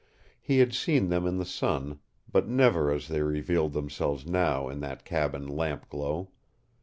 He had seen them in the sun, but never as they revealed themselves now in that cabin lamp glow.